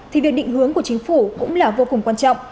thì việc định hướng của chính phủ cũng là vô cùng quan trọng